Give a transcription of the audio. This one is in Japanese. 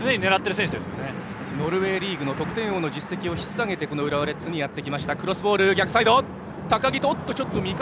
ユンカーはノルウェーリーグ得点王の実績を引っさげてこの浦和レッズにやってきました。